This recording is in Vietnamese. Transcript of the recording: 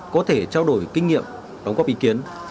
có thể trao đổi kinh nghiệm đóng góp ý kiến